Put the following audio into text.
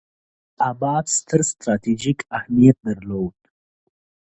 اله اباد ستر ستراتیژیک اهمیت درلود.